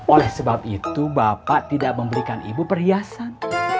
oleh sebab itu bapak tidak memberikan ibu perhiasan